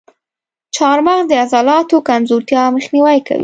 چارمغز د عضلاتو کمزورتیا مخنیوی کوي.